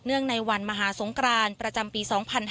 เนื่องในวันมหาสงครานประจำปี๒๕๖๐